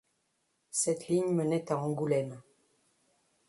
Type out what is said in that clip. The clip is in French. Cette ligne menait à Angoulême.